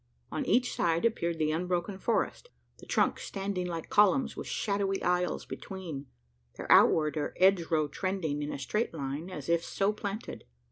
On each side appeared the unbroken forest the trunks standing like columns, with shadowy aisles between: their outward or edge row trending in a straight line, as if so planted.